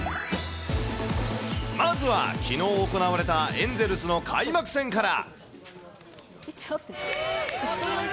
まずは、きのう行われたエンゼルスの開幕戦から。